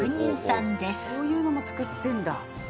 こういうのも作ってんだ。